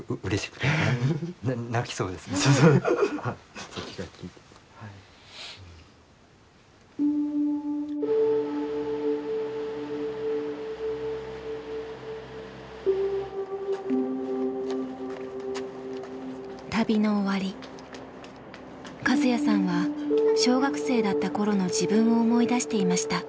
カズヤさんは小学生だった頃の自分を思い出していました。